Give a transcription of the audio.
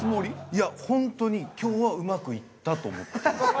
いやホントに今日はうまくいったと思ってますね。